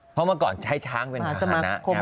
เพราะเมื่อก่อนใช้ช้างเป็นภาษณะ